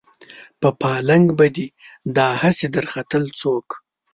په پالنګ به دې دا هسې درختل څوک